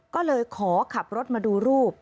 ก็เลยขอขับรถมาดูรูป